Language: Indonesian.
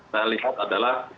saya lihat adalah